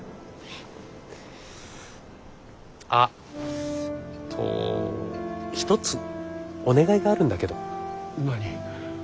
あっと一つお願いがあるんだけど。